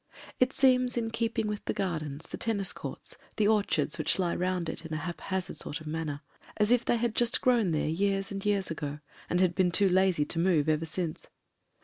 It seems in keeping with the gardens, the tennis courts, the orchards which lie around it in a hap hazard sort of manner, as if they had just grown there years and years ago and had been too lazy to move ever since.